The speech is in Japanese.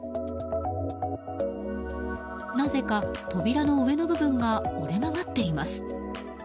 なぜか、扉の上の部分が折れ曲がっています。